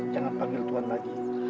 jangan panggil tuhan lagi